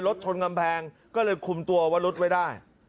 รถชนกำแพงก็เลยคุมตัววรุษไว้ได้